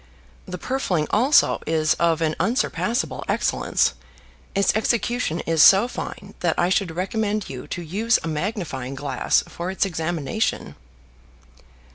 The purfling also is of an unsurpassable excellence. Its execution is so fine that I should recommend you to use a magnifying glass for its examination."